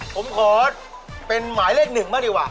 ผมขอเป็นหมายเลขหนึ่งบ้างดีกว่า